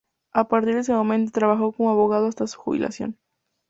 A partir de ese momento trabajó como abogado hasta su jubilación.